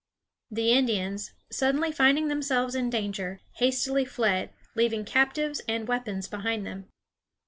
The Indians, suddenly finding themselves in danger, hastily fled, leaving captives and weapons behind them.